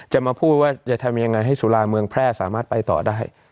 จะมาพูดว่าจะทำยังไงให้สุราเมืองแพร่สามารถไปต่อได้